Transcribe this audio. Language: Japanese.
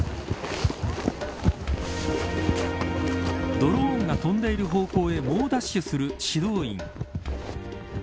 ドローンが飛んでいる方向へ猛ダッシュする指導員。